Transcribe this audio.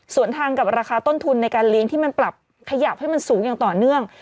ส่วนทางกับราคาต้นทุนในการเลี้ยงที่มันปรับขยับให้มันสูงอย่างต่อเนื่อง